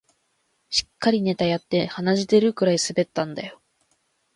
しっかりネタやって鼻血出るくらい滑ったんだよ